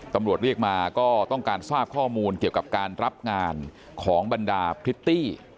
ตำรวจเรียกมาก็ต้องการทราบข้อมูลเกี่ยวกับการรับงานของบรรดาพริตตี้